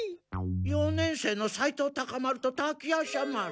四年生の斉藤タカ丸と滝夜叉丸。